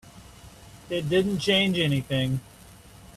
It didn't change anything.